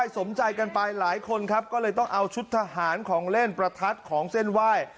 สมใจกันไปหลายคนครับก็เลยต้องเอาชุดทหารของเล่นประทัดของเส้นไหว้